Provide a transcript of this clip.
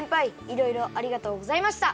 いろいろありがとうございました！